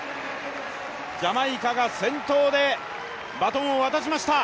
ジャマイカが先頭でバトンを渡しました。